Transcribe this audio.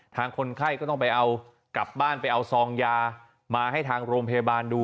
คนไข้ก็ต้องไปเอากลับบ้านไปเอาซองยามาให้ทางโรงพยาบาลดู